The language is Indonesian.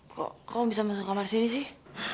kok kau bisa masuk kamar sini sih